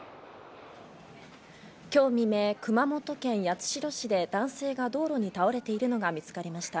今日未明、熊本県八代市で男性が道路に倒れているのが見つかりました。